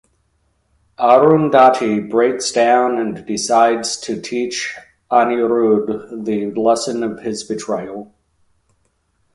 Arundhati breaks down and decides to teach Anirudh the lesson of his betrayal.